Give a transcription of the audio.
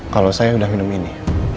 kalau saya udah minum ini